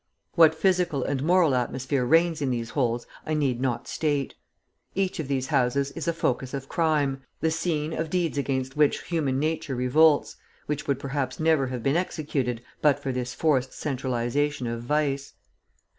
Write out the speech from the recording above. What physical and moral atmosphere reigns in these holes I need not state. Each of these houses is a focus of crime, the scene of deeds against which human nature revolts, which would perhaps never have been executed but for this forced centralisation of vice.